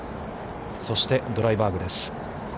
そしてドライバーグです。